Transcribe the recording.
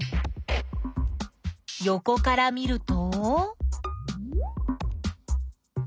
よこから見ると？